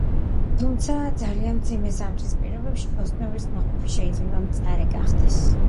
თუმცა ძალიან მძიმე ზამთრის პირობებში ბოსტნეულის ნაყოფი შეიძლება მწარე გახდეს.